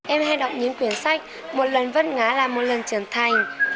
em hay đọc những quyền sách một lần vất ngã là một lần trưởng thành